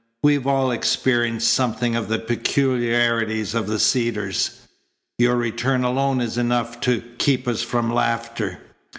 "We've all experienced something of the peculiarities of the Cedars. Your return alone's enough to keep us from laughter."